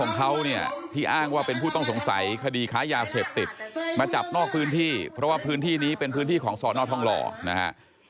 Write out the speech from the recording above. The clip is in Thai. ของเขาเนี่ยที่อ้างว่าเป็นผู้ต้องสงสัยคดีค้ายาเสพติดมาจับนอกพื้นที่เพราะว่าพื้นที่นี้เป็นพื้นที่ของสอนอทองหล่อนะฮะ